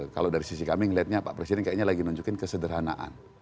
kalau dari sisi kami melihatnya pak presiden kayaknya lagi nunjukin kesederhanaan